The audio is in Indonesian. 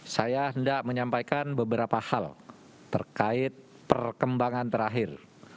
saya hendak menyampaikan beberapa hal terkait perkembangan terakhir